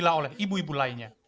dan dianggap terhadap ibu ibu lainnya